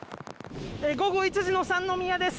午後１時の三宮です。